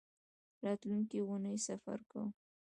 راتلونکۍ اونۍ سفر کوم